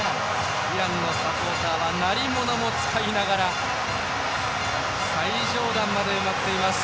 イランのサポーターは鳴り物も使いながら最上段まで埋まっています。